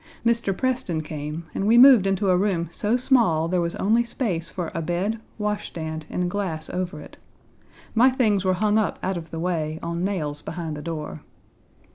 Mr. Preston came, and we moved into a room so small there was only space for a bed, wash stand, and glass over it. My things were hung up out of the way on nails behind the door.